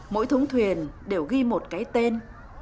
mỗi thống thuyền đều ghi một cái tên